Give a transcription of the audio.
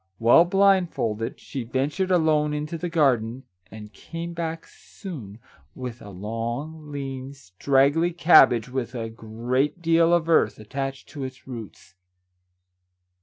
Well blindfolded, she ventured alone into the garden, and came back soon Our Little Canadian Cousin 75 with a long, lean, straggly cabbage with a great deal of earth attached to its roots.